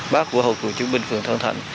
bác của hội kiệu chiến binh phường tân thạch